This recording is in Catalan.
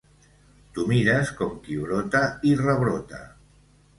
T'ho mires com qui brota i rebrota.